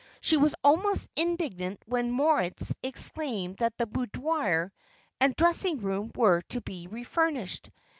She was almost indignant when Moritz explained that the boudoir and dressing room were to be refurnished.